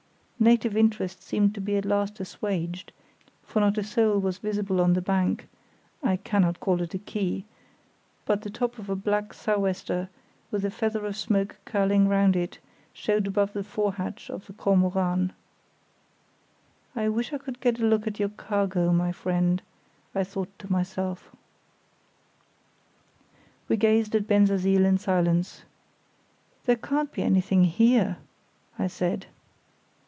Native interest seemed to be at last assuaged, for not a soul was visible on the bank (I cannot call it a quay); but the top of a black sou'wester with a feather of smoke curling round it showed above the forehatch of the Kormoran. "I wish I could get a look at your cargo, my friend," I thought to myself. We gazed at Bensersiel in silence. "There can't be anything here?" I said.